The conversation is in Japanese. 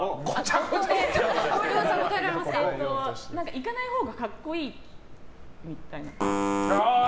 行かないほうが格好いいと思った。